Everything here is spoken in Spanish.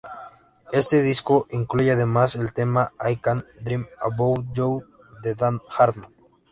Este disco incluye además el tema "I Can Dream About You", de Dan Hartman.